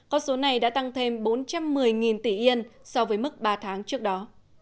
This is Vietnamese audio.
có số này đã tăng thêm bốn trăm một mươi nghìn tỷ yen so với mức ba tháng trước đó